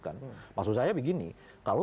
kan maksud saya begini kalau